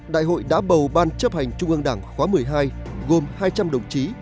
đại hội đã bầu ban chấp hành trung ương đảng khóa một mươi hai gồm hai trăm linh đồng chí